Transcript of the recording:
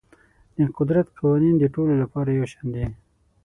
د قدرت قوانین د ټولو لپاره یو شان دي.